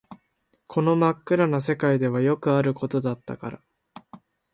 この真っ暗な世界ではよくあることだったから